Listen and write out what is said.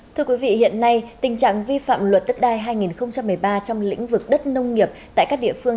thưa quý vị hiện nay tình trạng vi phạm luật đất đai hai nghìn một mươi ba trong lĩnh vực đất nông nghiệp tại các địa phương